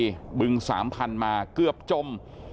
เชียนบุรีบึง๓๐๐๐มาเกือบจม